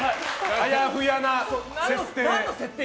あやふやな設定。